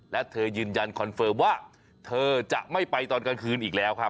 และเธอยืนยันคอนเฟิร์มว่าเธอจะไม่ไปตอนกลางคืนอีกแล้วครับ